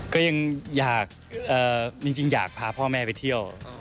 ก็ยังอยากจริงอยากพาพ่อแม่ไปเที่ยว